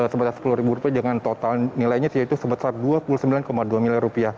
sebesar rp sepuluh dengan total nilainya yaitu sebesar rp dua puluh sembilan dua miliar